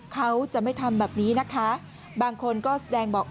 เขาจะไม่ทำแบบนี้นะคะบางคนก็แสดงบอก